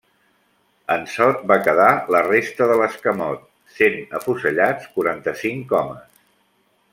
En Sot va quedar la resta de l'escamot, sent afusellats quaranta-cinc homes.